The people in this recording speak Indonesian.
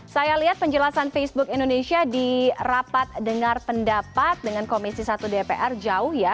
saya lihat penjelasan facebook indonesia di rapat dengar pendapat dengan komisi satu dpr jauh ya